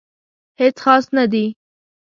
هیڅ خاص نه دي